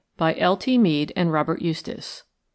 BY L. T. MEADE AND ROBERT EUSTACE.